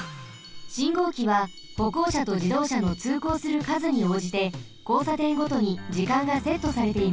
信号機はほこうしゃとじどうしゃのつうこうするかずにおうじてこうさてんごとにじかんがセットされています。